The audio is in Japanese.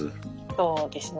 そうですね。